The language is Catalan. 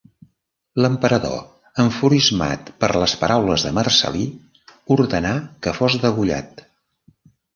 L'emperador enfurismat per les paraules de Marcel·lí ordenà que fos degollat.